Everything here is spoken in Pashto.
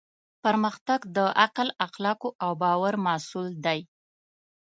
پرمختګ د عقل، اخلاقو او باور محصول دی.